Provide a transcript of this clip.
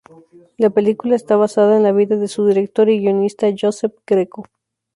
La película está basada en la vida de su director y guionista Joseph Greco.